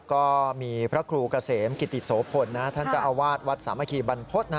ก็มีพระครูเกษมกิติโสพลท่านเจ้าอาวาสวัดสามัคคีบรรพฤษ